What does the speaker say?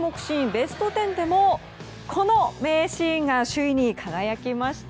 ベスト１０でもこの名シーンが首位に輝きました。